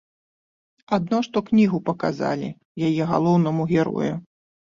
Адно што кнігу паказалі яе галоўнаму герою.